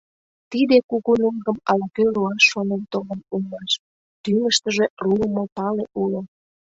Тиде кугу нулгым ала-кӧ руаш шонен толын улмаш: тӱҥыштыжӧ руымо пале уло.